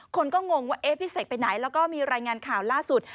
คนก็งงว่าเอ๊ะพี่เสกไปไหนแล้วก็มีรายงานข่าวล่าสุด